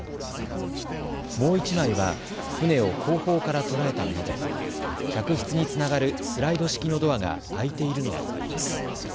もう１枚は船を後方から捉えたもので客室につながるスライド式のドアが開いているのが分かります。